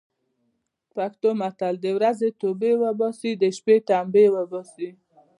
پښتو متل: د ورځې توبې اوباسي، د شپې تمبې اوباسي.